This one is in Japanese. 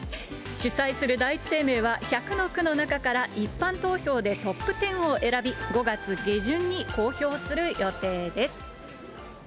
主催する第一生命は、１００の句の中から一般投票でトップ１０を選び、５月下旬に公表する予定です。